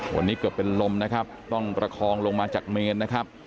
วันนี้เกือบเป็นลมนะครับต้องประคองลงมาจากเมนนะครับ